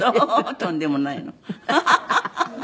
とんでもないの。